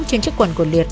trên chiếc quần của liệt